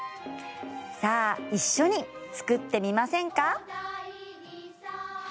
さあ、一緒に作ってみませんか。